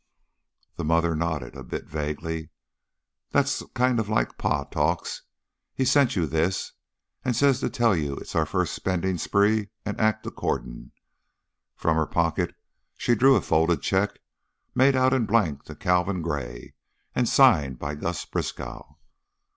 The mother nodded, a bit vaguely. "That's kind of like Pa talks. He sent you this, and says to tell you it's our first spendin' spree and act accordin'." From her pocket she drew a folded check, made out in blank to Calvin Gray and signed by Gus Briskow.